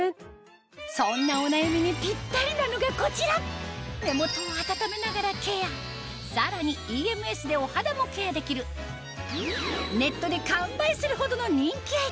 そんなお悩みに目元を温めながらケアさらにＥＭＳでお肌もケアできるネットで完売するほどの人気アイテム